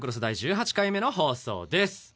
第１８回目の放送です。